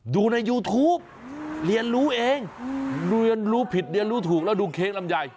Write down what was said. ดูในยูทูปเรียนรู้เองเรียนรู้ผิดเรียนรู้ถูกแล้วดูเค้กลำไย